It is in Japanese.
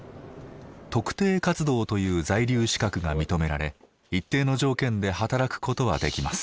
「特定活動」という在留資格が認められ一定の条件で働くことはできます。